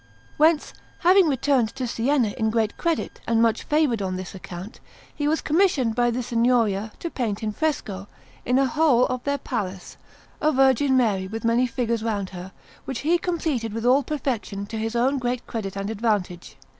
Whence, having returned to Siena in great credit and much favoured on this account, he was commissioned by the Signoria to paint in fresco, in a hall of their Palace, a Virgin Mary with many figures round her, which he completed with all perfection to his own great credit and advantage.